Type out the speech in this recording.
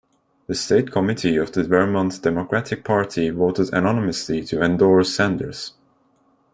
The state committee of the Vermont Democratic Party voted unanimously to endorse Sanders.